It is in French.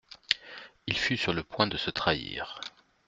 Il fut sur le point de se trahir.